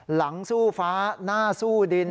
หลังสู้ฟ้าหน้าสู้ดิน